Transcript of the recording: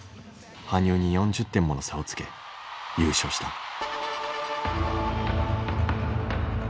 羽生に４０点もの差をつけ優勝した。